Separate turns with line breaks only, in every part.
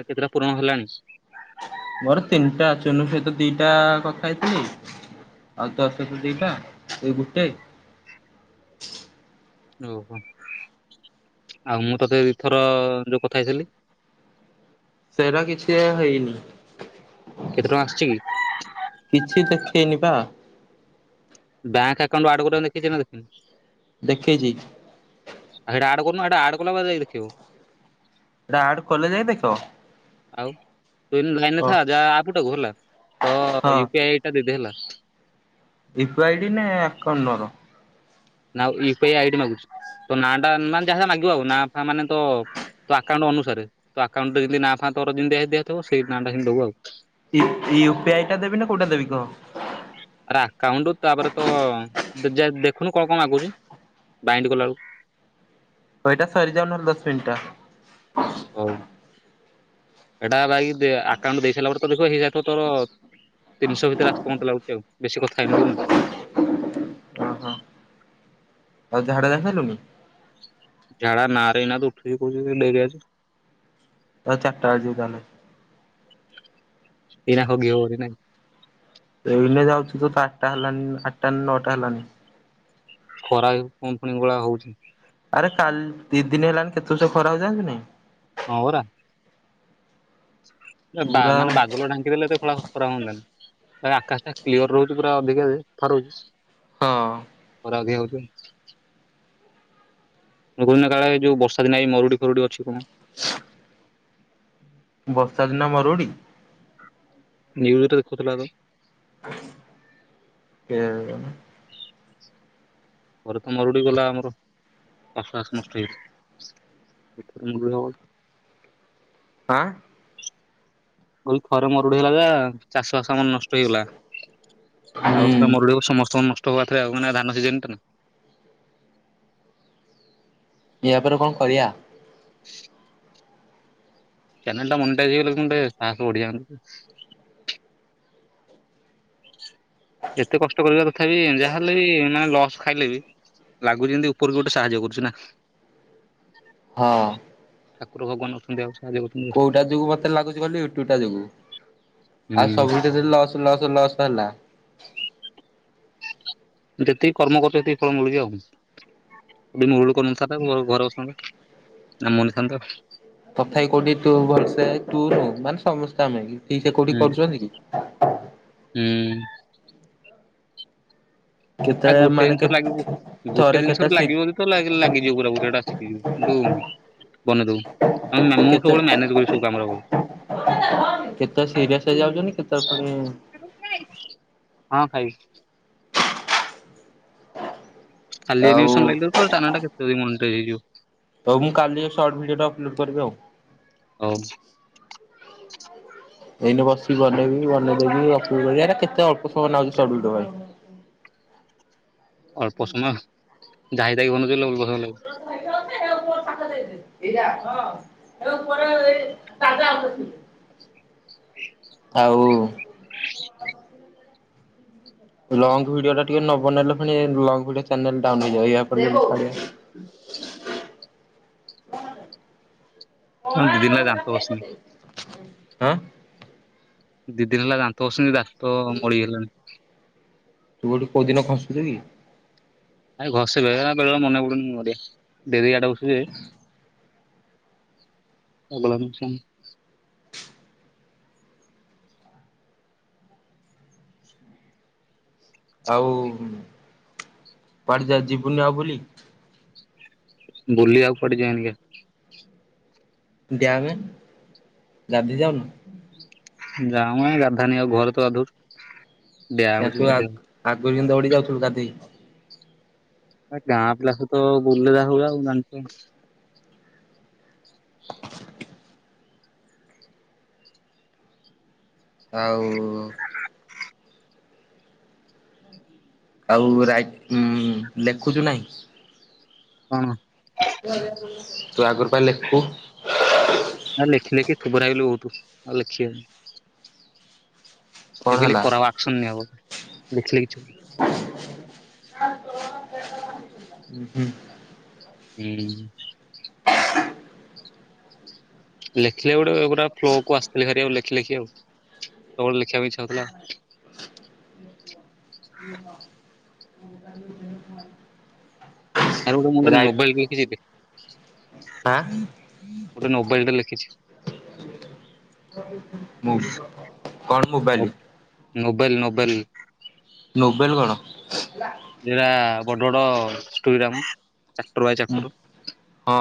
ଆଉ କେତେଟା ପୂରଣ ହେଲାଣି?
ମୋର ତିନିଟା। ଚୁନ୍ମୁ ସହିତ ଦିଟା କଥା ହେଇଥିଲି। ଆଉ ତୋ ସହିତ ଦିଟା। ଏଇ ଗୋଟେ।
ଓ। ଆଉ ମୁଁ ତତେ ଦିଥର ଯୋଉ କଥା ହେଇଥ୍ଵଲି।
ସେ ପୁରା କିଛି ଆଉ ହେଇନି।
କେତେ ଟଙ୍କା ଆସିଛି କି?
କିଛି ଦେଖେଇ ନି ବା।
ବ୍ୟାଙ୍କ ଆକାଉଣ୍ଟ ଆଡ କରିବାକୁ ନେଖିଛି। [inaudible]
ଲେଖିଛି।
ସେଇଟା ଆଡ କରନୁ? ଏଇଟା ଆଡ କଲେ ଯାଇ ଦେଖିଇବ।
ସେଟା ଆଡ କଲେ ଜାଇ ଦେଖେଇବ?
ଆଉ। ତୁ ଏଇନା ଲାଇନ ରେ ଥା ଯା ଆପଟାକୁ ହେଲା। ତ
ହଁ
ୟୁ ପି ଆଇ। ଟା ଦେଇଦେ ହେଲା।
ଇଫ ଆଇ ଡି ନା ଆକାଉଣ୍ଟର।
ନା ୟୁ ପି ଆଇ ଆଇଡି ମାଗୁଛି। ତୋ ନା ଟା ମାନେ ଯାହା ମାଗିବ ଆଉ। ନା ଫା ମାନେ ତ। ତୋ ଆକାଉଣ୍ଟ ଅନୁସାରେ। ତୋ ଆକାଉଣ୍ଟରେ ଯେମିତି ନାଁ ଫାଁ ତୋର ଯେମିତି ଦିଆହେଇଥିବ ସେଇ ନା ଟା ଯାଇ ଦବୁ ଆଉ।
ୟୂ ପି, ୟୁ ପି ଆଇଟା ଦେବି ନା କୋଉଟା ଦେବି କହ।
ଆରେ ଆକାଉଣ୍ଟ ତାପରେ ତୋ ତୁ ଯାଇକି ଦେଖୁନୁ କଣ କଣ ମାଗୁଛି ବାଇଣ୍ଡ କଲା ବେଳକୁ?
ଏଇଟା ସରିଯାଉ ନହେଲେ ଦଶ ମିନିଟଟା।
ହଉ। ଏଟା ଭାଇ ଆକାଉଣ୍ଟ ଦେଇ ସାରିଲା ପରେ ତ [inaudible] ତୋର। ତିନିଶ ଭିତରେ ଆସି [inaudible]
ଓହୋ ଆଉ ଝାଡା ଯାଇସାରିଲୁଣି?
ଝାଡା ନା ରେ [unintelligible]
ହଉ ଚାରଟା ବେଳେ ଯିବ ତାହେଲେ।
ଏଇନା ହଗି ହବ କି ନାହିଁ।
ଏଇନେ ଯାଉଛିୁ ତ ଆଠଟା ହେଲାନି। ଆଠଟା ନଅଟା ହେଲାଣିି।
ଖରା ଏ ପୁଣି କଉଁଭଳିଆ ହଉଛି।
ଆରେ କାଲ ଦି ଦିନ ହେଲାଣି କେତେ ଜୋର ଖରା ହଉଛି ଯାଣିଛୁ ନା ନାଇଁ?
ହଁ ପରା ବା
ପୁରା
ମାନେ ବାପଲ ଢାଙ୍କିଦେଲେ ଏ [inaudible] [unintelligible] ଆକାଶ ଟା କ୍ଲ୍କିୟର ରହୁଛି ପୁରା ଅଧିକା ଯେ
ହଁ।
ଗ ହଉଛ। [inaudible] [inaudible] କାଳେ ଏଇ ବର୍ଷା ଦିନେ ଏଇ ମରୁଡ଼ି ଫରୁଡି ଅଛି ପରା।
ହ। [inaudible] ବର୍ଷା ଦିନ ମରୁଡି।
ନିଉଜ୍ ରେ ଦେଖୁଥିଲା ଆଗ।
କେ [unintelligible]
ଘରେ ତ ମରୁଡି ଗଲା ଆମର ଚାଷ ବାସ ନଷ୍ଟ ହେଇଛି। [unintelligible]
ହାଁ
କଇ ଥରେ ମରୁଡି ହେଲା ଯେ ଚାଷ ବାସ ଆମନ ନଷ୍ଟ ହେଇଗଲା
ହୁଁ
ଆଉ ଥରେ ମରୁଡି ସମସ୍ତଙ୍କ ନଷ୍ଟ ହବା ରେ ଥାଏ ଆଉ ମନେ ଧାନ ସିଜିନ ଟା ନା।
ଏ ଆପରେ କଣ କରିବା?
[inaudible] ଚ୍ୟାନେଲ ଟା ମନିଟାଇଜ ହେଇଗଲେ କନଟିକେ ସାହସ ବଢ଼ିଜାନ୍ ଯେତେ କଷ୍ଟ କରିବା ତଥା ବିି ଯାହାହେଲେ ବି ମାନେ ଲସ୍ ଖାଇଲେ ବି ଲାଗୁଛି ଯେମତି ଉପରୁ ଗୋଟେ ସାହାଯ୍ୟ କରୁଛି ନା
ହଁ।
ଠାକୁର ଭଗବାନ ଅଛନ୍ତି ଆଉ। ସାହାଯ୍ୟ କରୁଛନ୍ତି
କୋଉଟା ଯୋଗୁ ମତେ ଲାଗୁଛି କହିଲୁ ୟୁଟୁବ ଟା ଯୋଗୁ ଆଉ
ହୁଁ
ସବୁ ଥିରେ ଲସ୍ ଲସ ଲସ୍ ହେଲା
ଯେତିକି କର୍ମ କରୁଛ ସେତିକି ଫଳ ମିଳୁଛି ଆଉ। [unintelligible]
ତଥାବି କୋଉଠି ତୁ ଭଲସେ ତୁ ନୁହ ମାନେ ସମସ୍ତେ ଆମେ କି ଠିକ ସେ କୋଉଠି
ହୁଁ
କରୁଛନ୍ତି କି।
ହୁଁ।
କେତେ
ଆଉ ଗୋଟେ
ମାନେ କେ
ଜିନିଷରେ ଲାଗିବ
ଥରେ
ଗୋଟେ
କେତେ
ଜିନିଷରେ
ସି
ଲାଗିବ ଯଦ ତ ଲାଗି-ଲାଗିଯିବ ପୁରାପୁରୀ ଏଟା ସିକି ଯିବୁ କିନ୍ତୁ ବନେଇଦଉ ଆମେ ମୁଁ
କେତେ
ସବୁବେଳେ ମ୍ୟାନେଜ କରି ସବୁ କାମର
କେତେ ସିରିଅସ ହେଇଯାଉଛନ୍ତି କେତେଳେ ପୁଣି
ହଁ ଖାଇବି। ଖାଲି
ଆଉ
ଏନିୟୁସନ୍ ଲାଗିଲେ ତ ଚାନେଲ୍ ଟା କେତେବି ମନିଟାଇଜ ହେଇଯିବ।
ତଉ ମୁଁ କାଲି ସର୍ଟ ଭିଡିଓ ଟା ଅପଲୋଡ କରିବି ଆଉ।
ହଉ।
ଏଇନେ ବିସିକି ବନେଇବି ବନେଇଦେଇକି ଅପଲୋଡ଼ କରିବି ଏଟା କେଟେ ଅଳ୍ପ ସମୟ ନାଗୁଛି ସର୍ଟ ଭିଡିଓ ପାଇଁ।
ଅଳ୍ପ ସମୟ ଯାଇ ତାଇକି ପାଇଁ କି ବନୋଉଚ ବୋଲି ଅପ୍ଲ ସମୟ ଲାଗୁଛି।
[unintelligible] [unintelligible] ଆଉ ଲଙ୍ଗ ଭିଡିଓ ଟା ଟିକେ ନ ବନେଇଲେ ଫେଣି ବ୍ଲଗ୍ ଭିଡିଓ ଚାନେଲ୍ ଡାଉନ୍ ହେଇଯିବ, ୟା ପରେ ଯିବା କରିବା।
ହୁଁ। ହଁ ଦିଦିନ ହେଲା ଦାନ୍ତ ଘଷିନି।
ହଁ
ଦି ଦିନ ହେଲା ଦାନ୍ତ ଘସିନି ଦାନ୍ତ ମଳି ହେଲାଣି।
ତୁ କୋଉଠି କୋଉ ଦିନ ଘସୁଚୁ କି।
ଆ ଘସେ ବେଳେବେଳେ ମନେ ପଡୁନିଆ କନ କରିବା ଡେରିରେ ଉଠୁଛି। ଭଲ ଲାଗୁଚି ଆଉ
ଆଉ କୁଆଡେ ଯା ଯିବୁନି ଆଉ ବୁଲି?
ବୁଲିଆକୁ କୁଆଡେ ଯାଇନି
ଡ୍ୟାମେ, ଗାଧେଇ ଯାଉନୁ?
ଯା ମ ଗାଧାନୀ ଆଉ ଘରେ ତ ଗାଧୋଉଚୁ।
କାଇଁ ତୁ ଆଗ୍ ଆଗରୁ କେମିତି ଦୌଡି ଯାଉଥିଲୁ ଗାଧେଇ।
ବଟ ଗାଁ ପିଲା ସହିତ ବୁଲା ହଉ ଆଉ ଜଣିଛ
ଆଉ ଆଉ ରାଗ ଉଁ ଲେଖୁଛୁ ନାହିଁ
କଣ?
ତୁ ଆଗରୁ ପା ଲେଖୁ?
ଆଉ ଲେଖି ଲେଖି ଥୋବରା ହେଇଗଲି ବହୁତୁ ଆଉ ଲେଖି ହଉନି।
କଣ
ଏବେ ଖାଲି
ହେଲା?
କରା ହବ ଆକ୍ସନ ନିଆ ହବ ଦେଖିଲେ କିଛି
ଉଁ, ହୁଁ [unintelligible]
ହୁଁ। ଲେଖିଲେ ଗୋଟେ ଗୋଟା ଫ୍ଲୋକୁ ଆସିଥିଲେ ହାରି ଆଉ ଲେଖି ଲେଖି ତମର ଲେଖିବା ପାଇଁ ଇଚ୍ଛା ହଉଥିଲା।
[inaudible] [unintelligible]
ଆଉ ଗୋଟେ ମୁଁ କହିଲି
ରାଇଟ
ମୋବାଇଲ କିଏ ଦେଖିଛି କି?
ଆଁ
ଗୋଟେ ନୋବେଲ ଟେ ଲେଖିଛି।
ମୁଁ କଣ ମୋବାଇଲ୍?
Novel novel.
ନୋବେଲ କଣ?
ସେଗୁରା ବଡ ବଡ ଷ୍ଟୋରିୟମ ଚାପଟର୍ ବାଇ
ହୁଁ
ଚାପଟର୍।
ହଁ।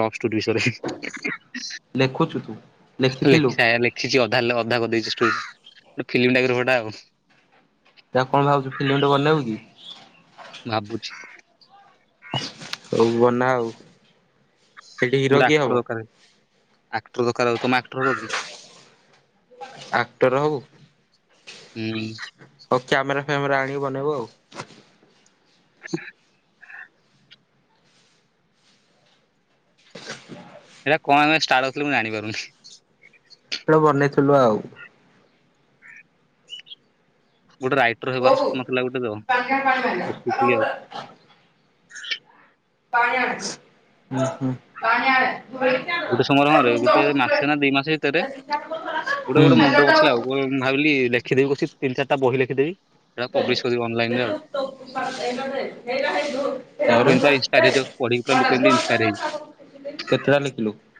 ଲଭଷ୍ଟୋରୀ ବିଷୟରେ
ଲେଖୁଛୁ ତୁ ଲେଖିଥିଲୁ
ଲେଖା ହେଇନି। ସେଠି ଅଧା ହେଲା ଅଧା କରିଦେଇଛି ଷ୍ଟୋରି ଗୋଟେ ଫିଲ୍ମ ଟାଇପ୍ ଗୋଟା ଆଉ।
ତମେ କଣ ଭାବୁଚୁ ଫିଲ୍ମଟେ ବନେଇବୁ କି?
ଭାବୁଛି।
ହଉ ବନା ଆଉ। ସେଠି
ମୁଁ
ହିରୋ
ଗୋଟେ
କିଏ ହବ
ଆକ୍ଟର ଦରକାର୍, ଆକ୍ଟର ଦରକାର୍ ତମେ ଆକ୍ଟର ହବ କି?
ଆକ୍ଟର ହବୁ।
ହୁଁ।
ହଉ କ୍ୟାମେରା, ଫ୍ୟାମେରା ଆଣିକୁ ବନେଇବୁ ଆଉ
[inaudible] ଏଇରା କଣ ଏମି ଷ୍ଟାର୍ଟ କରୁଥିଲୁ ମୁଁ ଜାଣିପାରୁନି [unintelligible]
ତ ଆଉ ବନେଇଥିଲୁ ଆଉ
ଗୋଟେ ରାଇଟର
ହୁଁ।
ହେବାର ସ୍ୱପ୍ନ ଥିଲା ଗୋଟେ ତ ଏତିକି ଆଉ।
ପରଚ, ଉଁ, ହୁଁ [unintelligible]
ଗୋଟେ ସମାଧାନରେ ଗୋଟେ ମାସେ ନା ଦି ମାସେ ଭିତରେ ଗୋଟେ ଗୋଟେ ମୁଣ୍ଡ ବସିଲା
ହୁଁ।
ଆଉ ଗୋ ମୁଁ ଭାବିଲି ଲେଖିଦେବି ବସିକି ତିନ ଚାରଟା ବହି ଲେଖିଦେବି ସେଗୁଡା ପବ୍ଲିଶ୍ କରିବି ଅନଲାଇନ୍ ରେ ଆଉ।
ରୂପା ଏଇ ପଟରେ ହେଇ ପା ହେଇ ଧଉଡୁ [unintelligible]
ଲୋକ ଏମିତା ଇନଷ୍ଟାରେ ଦେଇଦଉଛି ପଢି କଲୁ ଲୋକ ଏମିତି ଇନଷ୍ଟାରେ
କେତେଟା ଲେଖିଲୁ
[unintelligible]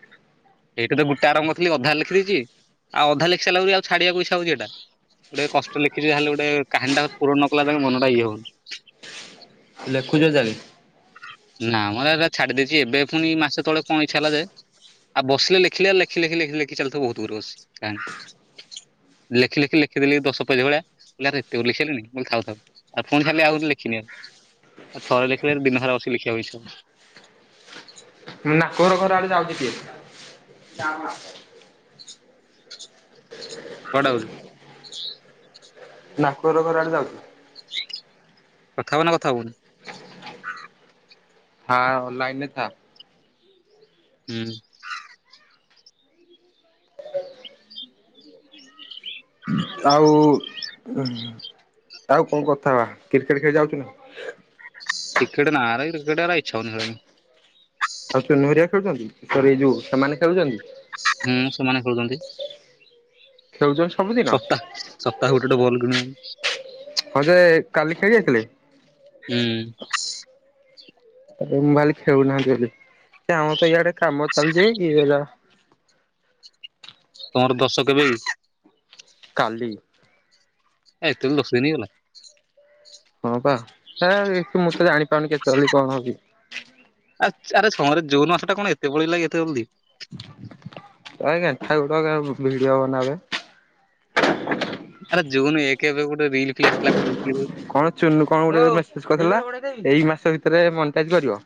ଏଇଟା ତ ମୋଟେ ଆରମ୍ଭ କରିଥିଲି ଅଧା ଲେଖିଦେଇଛି [unintelligible] ଆଉ ଆଧା ଲେଖି ସାଇଲ ବୋଲି ଆଉ ଛାଡିବାକୁ ଇଚ୍ଛା ହଉଛି ଏଇଟା ଗୋଟେ କଷ୍ଟ ଲେଖିଚି ତା ହେଲେ ଗୋଟେ କାହାଣୀଟା ପୂରଣ ନ କଲା ଯାଏ ମନଟା ୟଏ ହଉଚି।
ଲେଖୁଚ ଚାଲି [unintelligible]
ନାମଁ ଏଗୁରା ଛାଡି ଦେଇଚି ଏବେ ପୁଣି ମାସେ ତଳେ କଣ ଇଛା ହେଲା ଯେ ଆଉ ବସିଲେ ଲେଖିଲେ ଲେଖି, ଲେଖି, ଲେଖି, ଲେଖି ଚାଲିଥିବୁ ବହୁତ ଗୁରୁ ବସି। ଲେଖି ଲେଖି ଲେଖିଦେଲି ଦଶ ପେଜ୍ ଭଳିଆ [unintelligible] ଆରେ ଏତେଗୁରେ ଲେଖିସାଇଲିଣିି ମୁଁ କହିଲି ଥାଉ ଥାଉ। ଆ ଫୁଣି ଖାଲି ଆଉରି ଲେଖି ନିଅ ଆଉ ଥରେ ଲେଖିଲେ ଦିନ ସାରା ବସି ଲେଖିଆକୁ ଇଚ୍ଛା ହବ।
ନାକହର ଘର ଆଡେ ଯାଉଛି କିଏ?
କୁଆଡେ ଆଉଚୁ?
ନାକୋର ଘର ଆଡେ ଯାଉଛି।
କଥା ହବ ନା କଥା ହବୁନୁ?
ଥା ଲାଇନରେ ଥା।
ହୁଁ।
ଆଉ ଆଉ କଣ କଥା ହବା କ୍ରିକେଟ ଖେଳି ଯାଉଚୁ ନା?
ଟିକେଟ ନା ରେ କ୍ରିକେଟ ଗୁରା ଇଚ୍ଛା ହଉନି ଖେଳିଆକୁ।
ଆଉ ଚିନୁ ହେରିଆ ଖେଳୁଛନ୍ତି ସରି ଏ ଯୋଉ ସେମାନେ ଖେଳୁଛନ୍ତି?
ହୁଁ ସେମାନେ ଖେଳୁଚନ୍ତି।
ଖେଳୁଚ
ସପ୍ତା ସପ୍ତାହକୁ ଗୋଟେ ଗୋଟେ ବଲ କିଣୁଚନ୍ତି।
ହଁ ଯେ କାଲି ଖେଳି ଆସଥିଲେ?
ହୁଁ।
ମୁଁ ଭାଲି ଖେଳୁନାହାନ୍ତି ବୋଲି ଏ ଆମ ତ ଇଆଡେ କାମ ଚାଲିଛିି [unintelligible] ‌।
ତମର ଦଶ କେବେ?
କାଲି।
ଏତେ‌ ଜଲଦି ଦଶଦିନି ହେଇଗଲା।
ହଁ ବା ହେ ମୁଁ ତ ଜାଣିପାରୁନି କେତେବଳେ କଣ ହଉଛି?
ଆ ଆରେ କଣରେ ଜୁନ ମାସଟା କଣ ଏତେ ପଳେଇଲା ଏତେ ଜଲଦି।
[unintelligible] ଥାଉ ରଖେ ଆମେ ଭିଡିଓ ବନାବେ।
ଆରେ ଜୁନୁ ଏକେ ଏବେ ଗୋଟେ ରିଲ ଫିଲ୍ ଆସିଥିଲା କଣ [unintelligible]
କଣ ଚୁୁନୁ କଣ ଗୋଟେେ ମେସେଜ କରିଥିଲା ଏଇ ମାସ ଭିତରେ ମନଟାଜ କରିବ।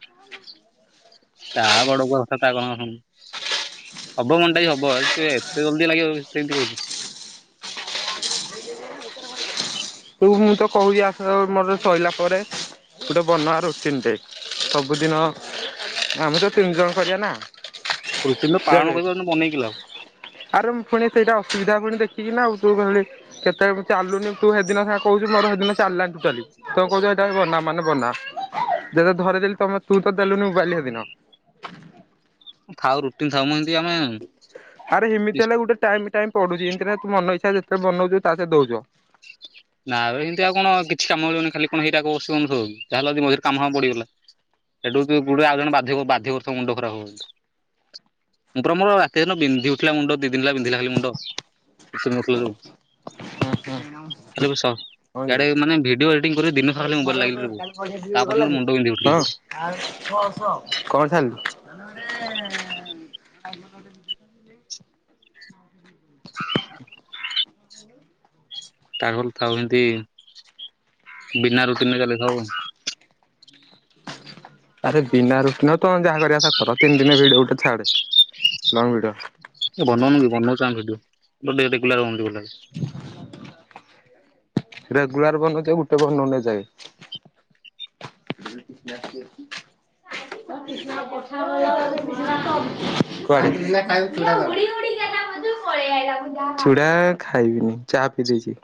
ତା ଗଡ [unintelligible] ହବ ମନଟାଜ ହବ [unintelligible] ଏତେ ଜଲଦି ଲାଗିବ ସେମତି କହୁଚି।
ତୁ ମୁଁ ତ କହୁଛିି ଆସ [unintelligible] ମୋର ସଇଲା ପରେ। ଗୋଟେ ବନା ରୁଟିନଟେ ସବୁଦିନ ଆମେ ତ ତିନି ଜଣ କରିଆ ନା।
ରୁଟିନ ତ ପାଳନ
ଦେଖେ
କରିପାରୁନୁ ବନେଇକି କି ଲାଭ?
ଆରେ ମୁଁ ଫୁଣି ସେଇଟା ଅସୁବିଧା ଫୁଣି ଦେଖିବିନା ଆଉ ତୁ ଖାଲି କେତେ ଚାଲୁନି ତୁ ହେ ସେ ଦିନ [unintelligible] କଉଚୁ ମୋର ସେ ଦିନ ଚାଲଲାନି ଟୋଟାଲି। ତ କହୁଛ ଏଇଟା ବନା ମାନେ ବନା ଯେତେ ଧରେଇଦେଲି ତମେ ତୁ ତ ଦେଲୁନି ମୋବାଇଲ୍ ସେ ଦିନ।
ଥାଉ ରୁଟିନ୍ ଥାଉ ମୁଁ ହେନ୍ତି ଆମେ
ଆରେ ହେମିତି ହେଲେ ଗୋଟେ ଟାଇମ ଟାଇମ ପଢୁଛି ଇନ୍ତିରେ ତୁ ମନ ଇଛା ଯେତେ ବନଉଚୁ ତା ସେ ଦଉଛ।
ନା ଏବେ ହେନ୍ତି ଆଉ କଣ କିଛି କାମ ମିଳିବନି ଖାଲି କଣ ହେଇଟାକୁ [unintelligible] ଯାହା ହେଲେ ବି ମଝିରେ କାମ ଫାମ ପଡିିଗଲା ସେଠୁ କିଏ ଗୋଟେ ଆଉ ଜଣେ ବାଧ୍ୟ କ ବାଧ୍ୟ କରୁଥିବ ମୁଣ୍ଡ ଖରାପ ହବ [unintelligible] ମୁଁ ପରା ମୋର ରାତି ଦିନ ବିନ୍ଧି ଉଠିଲା ମୁଣ୍ଡ ଦି ଦିନ ହେଲା ବିନ୍ଧିଲା ଖାଲି ମୁଣ୍ଡ [unintelligible] ଯୋଉ
ଆ।
[unintelligible] ଇଆଡେ ମାନେ ଭିଡିଓ ଏଡିଟିଂ କରି ଦିନସାରା ଖାଲି
ମୋର
ମୋବାଇଲ ଲାଗିଲି ରେ।
କାଲି
[unintelligible]
ପଇସା ଦି ଗଲା
ତାପରଦିନ‌
ଯେ
ମୁଣ୍ଡ ବିନ୍ଧି ଉଠିଲା।
ହଁ। କଣ ସାଲୁ?
ତା ଘରୁ ଥାଉ ଏମତି ବିନା ରୁଟିନରେ ଗଲେ। [unintelligible]
ଆରେ ବିନା ରୁଟିନ ହଉ ତମେ ଯାହା କରିଆ କଥା କର ତିନ ଦିନ ଭିଡିଓ ଗୋଟେ ଛାଡେ ଲଙ୍ଗ ଭିଡିଓ।
ଏ ବନଉନୁ କି ବନଉଛୁ ଆମେ ଭିଡିଓ ଗୋଟେ ରେଗୁଲାର। [unintelligible]
[unintelligible] ରେଗୁଲାର ବନଛ ଗୋଟେ ବନଉନି ଯାଏ। [inaudible] କୁଆଡେ। [inaudible] ଚୁଡ଼ା ଖାଇବିନି ଚା ପିଇ ଦେଇଛି।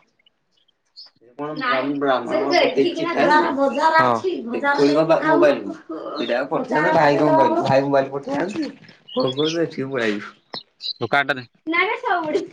ହଁ। ପଟା ପଠେଇନ୍ତି ଭାଇୋଇ ଭାଇ ମୋବାଇଲ ପଠେଇନ୍ତି କୁ ଏଠି ପଳେଇ ଆଇଲୁ।
ହଉ କାଟେନା।
ନବେ ସଉଡ଼ି।